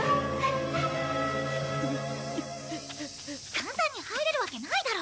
簡単に入れるわけないだろ！